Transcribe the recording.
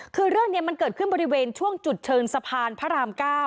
คือเรื่องนี้มันเกิดขึ้นบริเวณช่วงจุดเชิงสะพานพระราม๙